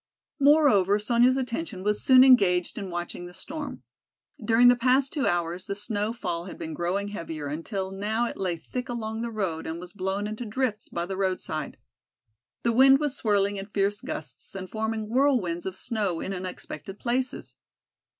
Moreover, Sonya's attention was soon engaged in watching the storm. During the past two hours the snow fall had been growing heavier until now it lay thick along the road and was blown into drifts by the roadside. The wind was swirling in fierce gusts and forming whirlwinds of snow in unexpected places.